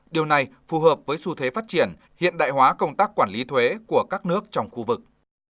điều này phù hợp với xu thế phát triển hiện đại hóa công tác quản lý thuế của các nước trong khu vực